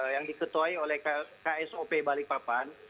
yang diketuai oleh ksop balikpapan